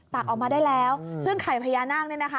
ตักออกมาได้แล้วซึ่งไข่พญานาคเนี่ยนะคะ